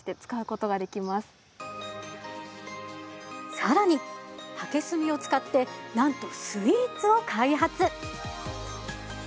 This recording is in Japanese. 更に竹炭を使ってなんとスイーツを開発！